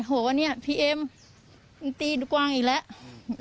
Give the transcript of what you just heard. หัวว่าเนี้ยพี่เอ็มตีกว้างอีกแล้วอืม